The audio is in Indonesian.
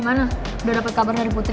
gimana udah dapet kabar dari putri